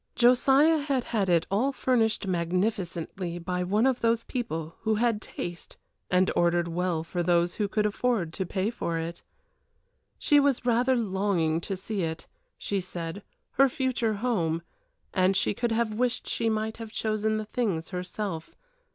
Josiah had had it all furnished magnificently by one of those people who had taste and ordered well for those who could afford to pay for it. She was rather longing to see it, she said her future home and she could have wished she might have chosen the things herself.